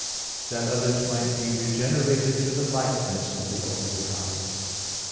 3:17), that others might be regenerated to the likeness of the only Begotten.